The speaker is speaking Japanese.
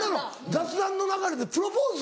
雑談の流れでプロポーズ？